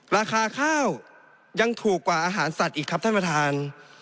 ราคาข้าวยังถูกกว่าอาหารสัตว์อีกครับท่านประธาน